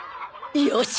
よし！